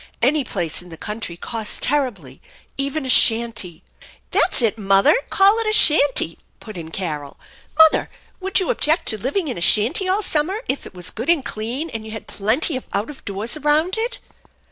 Any place in the country costs terribly, even a shanty "" That's it, mother, call it a shanty !" put in Carol. " Mother, would you object to living in a shanty all summer if it was good and clean, and you had plenty of out of doors around it